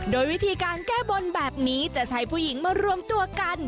โดยวิธีการแก้บนแบบนี้จะใช้ผู้หญิงมารวมตัวกัน